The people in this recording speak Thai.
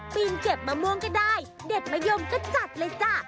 ปีนเก็บมะม่วงก็ได้เด็ดมะยมก็จัดเลยจ้ะ